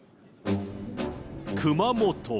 熊本。